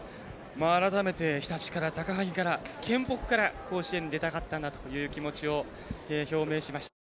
改めて日立から、高萩から県北から、甲子園に出たかったということを表明しました。